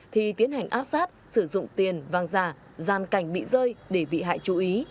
thì tiến hành áp sát sử dụng tiền vàng giả gian cảnh bị rơi để bị hại chú ý